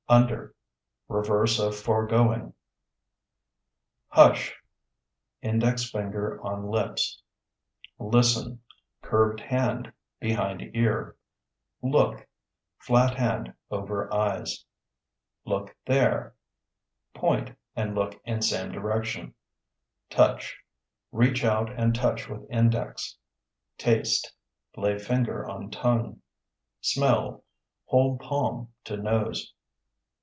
Under (Reverse of foregoing). Hush (Index finger on lips). Listen (Curved hand behind ear). Look (Flat hand over eyes). Look there (Point and look in same direction). Touch (Reach out and touch with index). Taste (Lay finger on tongue). Smell (Hold palm to nose).